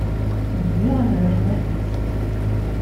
Zwiɣen leḥnak-is.